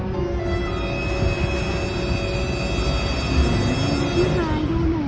พี่ไฮดูหนู